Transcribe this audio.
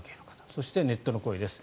そしてネットの声です。